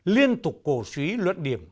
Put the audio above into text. liên tục cổ suý luận điểm